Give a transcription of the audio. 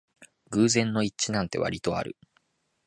偶然の一致なんてわりとある